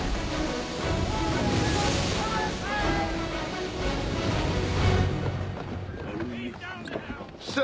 ああ。